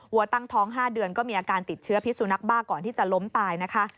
วัวตั้งท้อง๕เดือนก็มีอาการติดเชื้อพิสุนักบ้าก่อนที่จะล้มตายนะคะ